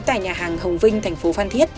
tại nhà hàng hồng vinh thành phố phan thiết